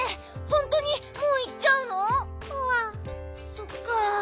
そっか。